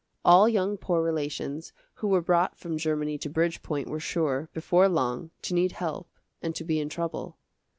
All young poor relations, who were brought from Germany to Bridgepoint were sure, before long, to need help and to be in trouble.